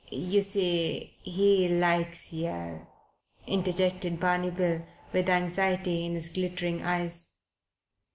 "You see, he likes yer," interjected Barney Bill, with anxiety in his glittering eyes.